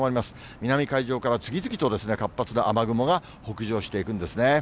南海上から次々と活発な雨雲が北上していくんですね。